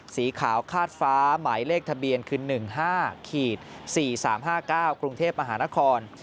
สีขาวคาดฟ้าหมายเลขทะเบียนคือ๑๕๔๓๕๙กรุงเทพมหานคร